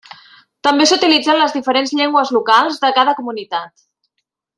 També s'utilitzen les diferents llengües locals de cada comunitat.